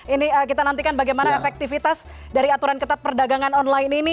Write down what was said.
ini kita nantikan bagaimana efektivitas dari aturan ketat perdagangan online ini